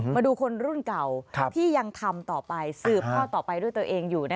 มาดูคนรุ่นเก่าที่ยังทำต่อไปสืบทอดต่อไปด้วยตัวเองอยู่